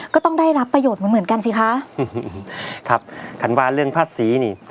ก็ต้องได้รับประโยชน์เหมือนกันสิคะอืมครับธันวาเรื่องภาษีนี่